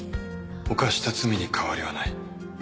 犯した罪に変わりはない。